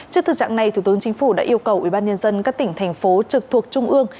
trước thực trạng này thủ tướng chính phủ đã yêu cầu ủy ban nhân dân các tỉnh thành phố trực thuộc trung ương